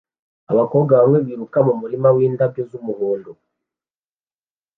Abakobwa bamwe biruka mu murima windabyo z'umuhondo